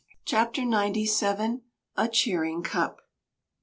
CHAPTER NINETY SEVEN. A CHEERING CUP.